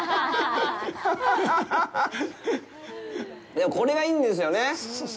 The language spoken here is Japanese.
でも、これがいいんですよね。